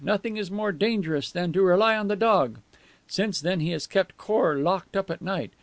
Nothing is more dangerous than to rely on the dog. 'Since then he has kept Khor locked up at night.